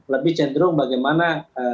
lebih cenderung bagaimana